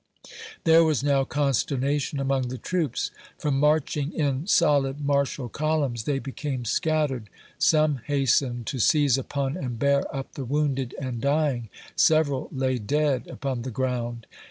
There was now consternation among the troops. From marching in solid martial columns, they became scattered. Some hastened to seize upon and bear up the wounded and 40 A VOICE SROM IIARPER'S FEBRY. dying, — several lay dead upon the ground.